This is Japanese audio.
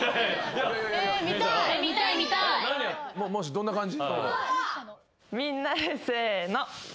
どんな感じ？